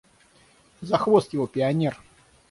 За хвост его, – пионер!